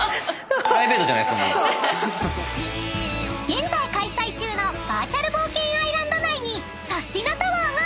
［現在開催中のバーチャル冒険アイランド内にサスティな！